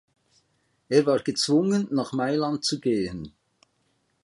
Er war gezwungen, nach Mailand zu gehen.